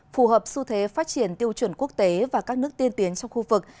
phù hợp xu thế phát triển tiêu chuẩn quốc tế và các nước tiên tiến trong khu vực